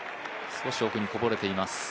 少し奥にこぼれています。